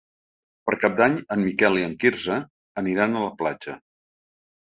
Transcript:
Per Cap d'Any en Miquel i en Quirze aniran a la platja.